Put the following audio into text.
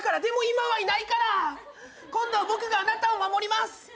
でも今はいないから！今度は僕があなたを守ります。